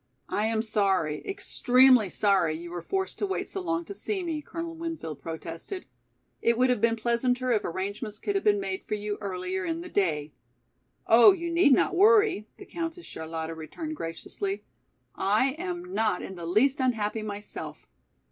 "I am sorry, extremely sorry, you were forced to wait so long to see me," Colonel Winfield protested. "It would have been pleasanter if arrangements could have been made for you earlier in the day." "Oh, you need not worry," the Countess Charlotta returned graciously, "I am not in the least unhappy myself.